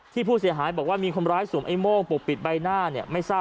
ที่ผู้เสียหายบอกว่ามีคนร้ายสุมไอ้โม้งปกปิดใบหน้า